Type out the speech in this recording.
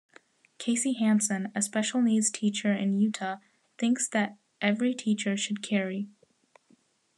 Kasey Hansen, a special needs teacher in Utah thinks that every teacher should carry.